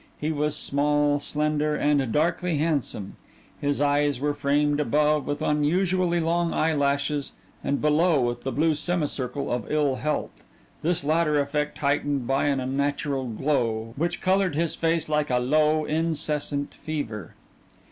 He was small, slender, and darkly handsome; his eyes were framed above with unusually long eyelashes and below with the blue semicircle of ill health, this latter effect heightened by an unnatural glow which colored his face like a low, incessant fever.